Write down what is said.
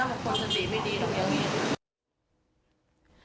คนสติไม่ดีตรงนี้